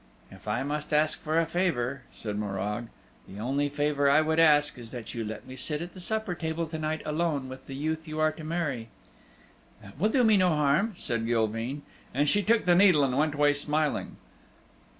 "If I must ask for a favor," said Morag, "the only favor I would ask is that you let me sit at the supper table to night alone with the youth you are to marry." "That will do me no harm," said Gilveen, and she took the needle and went away smiling.